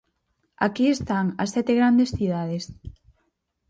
Aquí están as sete grandes cidades.